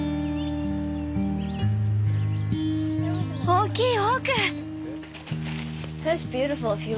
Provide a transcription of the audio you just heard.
大きいオーク！